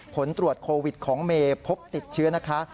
ผลตรวจโควิดของเมย์พบติดเชื้อนะคะ